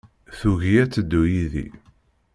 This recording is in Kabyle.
Tugi ad teddu yid-i.